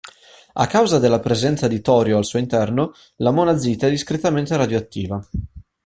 A causa della presenza di torio al suo interno, la monazite è discretamente radioattiva.